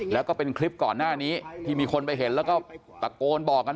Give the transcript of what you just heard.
แล้วก็เป็นคลิปก่อนหน้านี้ที่มีคนไปเห็นแล้วก็ตะโกนบอกกัน